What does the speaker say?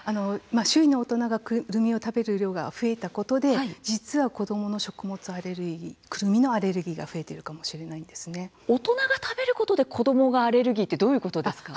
周囲の大人がくるみを食べる量が増えたことで実は子どもの食物アレルギーくるみのアレルギーが大人が食べることで子どもがアレルギーってどういうことですか。